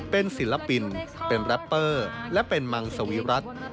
เป็นศิลปินเป็นแรปเปอร์และเป็นมังสวิรัติ